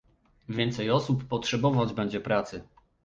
Więcej osób potrzebować będzie pracy